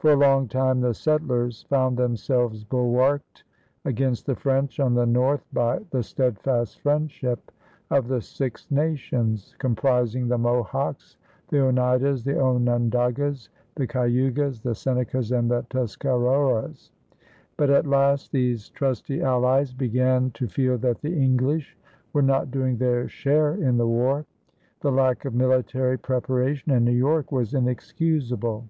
For a long time the settlers found themselves bulwarked against the French on the north by the steadfast friendship of the "Six Nations," comprising the Mohawks, the Oneidas, the Onondagas, the Cayugas, the Senecas, and the Tuscaroras; but at last these trusty allies began to feel that the English were not doing their share in the war. The lack of military preparation in New York was inexcusable.